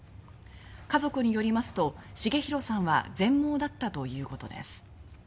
家族によりますと重弘さんは全盲だったということです。